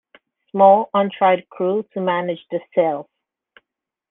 Small untried crew to manage the sails.